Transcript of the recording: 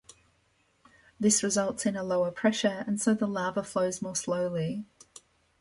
This results in a lower pressure, and so the lava flows more slowly.